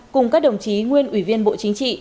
cùng các đồng chí nguyên ủy viên bộ chính trị